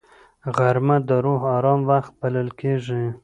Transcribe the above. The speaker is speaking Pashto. غرمه د روح آرام وخت بلل کېږي